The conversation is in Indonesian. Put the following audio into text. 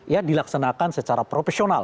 ya dilaksanakan secara profesional